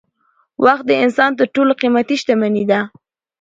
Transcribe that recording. وخت د انسان تر ټولو قیمتي شتمني ده